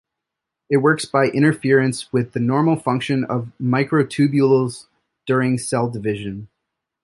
It works by interference with the normal function of microtubules during cell division.